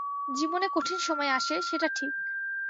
জীবনে কঠিন সময় আসে, সেটা ঠিক।